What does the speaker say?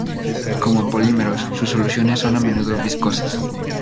Como polímeros, sus soluciones son a menudo viscosas.